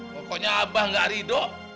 pokoknya abah gak ridho